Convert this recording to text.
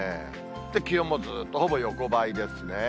気温もずっとほぼ横ばいですね。